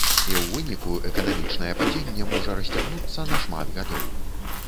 І ў выніку эканамічнае падзенне можа расцягнуцца на шмат гадоў.